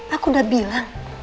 aku udah bilang